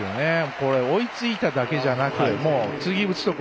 これ、追いついただけじゃなくもう次、打つとこ。